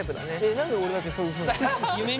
何で俺だけそういうふうに言うの？